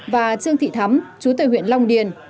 và trương thị thắm chú tây huyện long điền